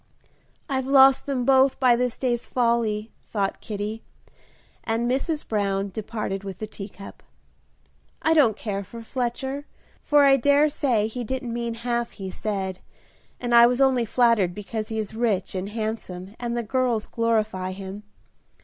"I've lost them both by this day's folly," thought Kitty, as Mrs. Brown departed with the teacup. "I don't care for Fletcher, for I dare say he didn't mean half he said, and I was only flattered because he is rich and handsome and the girls glorify him.